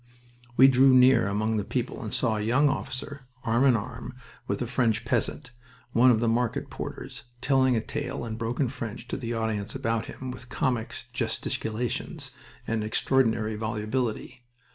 We drew near among the people and saw a young officer arm in arm with a French peasant one of the market porters telling a tale in broken French to the audience about him, with comic gesticulations and extraordinary volubility.